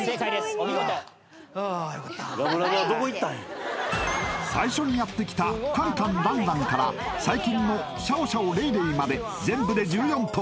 お見事最初にやってきたカンカンランランから最近のシャオシャオレイレイまで全部で１４頭